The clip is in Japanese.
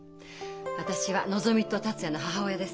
私はのぞみと達也の母親です。